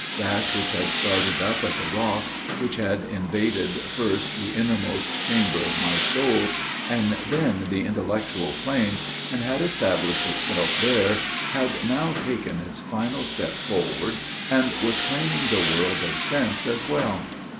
That which had started up at the rock which had invaded first the innermost chamber of my soul, and then the intellectual plane, and had established itself there, had now taken its final step forward, and was claiming the world of sense as well.